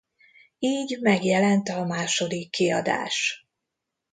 Így megjelent a második kiadás.